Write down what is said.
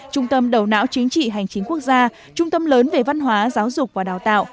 trung tâm đầu não chính trị hành chính quốc gia trung tâm lớn về văn hóa giáo dục và đào tạo